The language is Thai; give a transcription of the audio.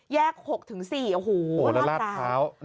แยก๖๔โอ้โฮลาดพร้าว